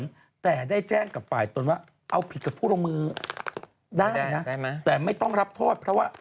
แต่ได้แจ้งกับฝ่ายตนว่าเอาผิดกับผู้ลงมือได้นะแต่ไม่ต้องรับโทษเพราะว่า